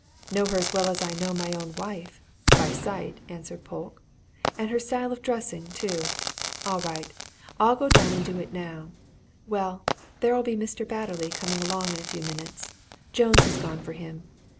"Know her as well as I know my own wife by sight," answered Polke. "And her style of dressing, too. All right I'll go and do it, now. Well, there'll be Mr. Batterley coming along in a few minutes Jones has gone for him.